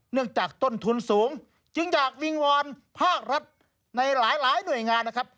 จากต้นทุนสูงจึงอยากวิงวอนภาครัฐในหลายหน่วยงานนะครับ